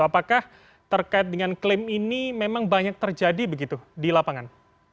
apakah terkait dengan klaim ini memang banyak terjadi begitu di lapangan